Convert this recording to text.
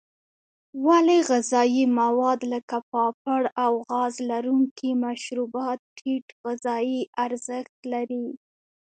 ولې غذایي مواد لکه پاپړ او غاز لرونکي مشروبات ټیټ غذایي ارزښت لري.